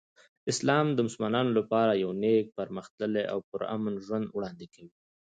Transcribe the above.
اسلام د مسلمانانو لپاره یو نیک، پرمختللی او پرامن ژوند وړاندې کوي.